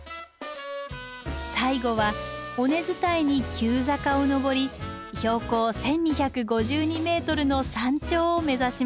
最後は尾根伝いに急坂を登り標高１，２５２ｍの山頂を目指します。